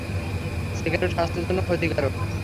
Cigarette, স্বাস্থ্যের জন্য ক্ষতিকারক।